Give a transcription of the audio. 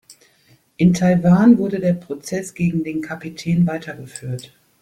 In Taiwan wurde der Prozess gegen den Kapitän weitergeführt.